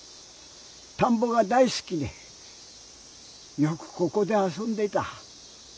たんぼが大すきでよくここであそんでいた。